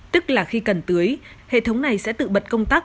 tức là khi cần tưới hệ thống này sẽ tự bật công tác